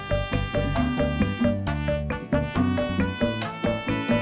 terima kasih pak selamat datang kembali